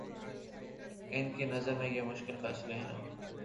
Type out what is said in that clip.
ان کی نظر میں یہ مشکل فیصلے ہیں؟